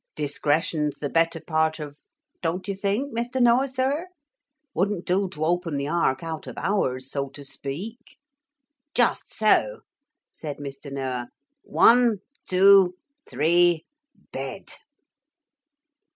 Discretion's the better part of don't you think, Mr. Noah, sir? Wouldn't do to open the ark out of hours, so to speak!' 'Just so,' said Mr. Noah. 'One, two, three! Bed!'